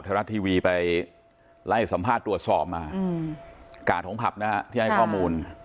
ทะลัดทีวีไปไล่สัมภาษณ์ตรวจสอบมาอืมก่าถงผับนะที่ให้ข้อมูล